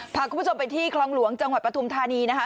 พาคุณผู้ชมไปที่คลองหลวงจังหวัดปฐุมธานีนะคะ